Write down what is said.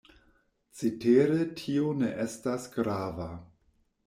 Cetere tio ne estas grava.